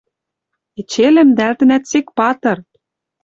Эче лӹмдӓлтӹнӓт: «Сек патыр!»